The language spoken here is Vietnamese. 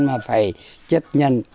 mà phải chấp nhận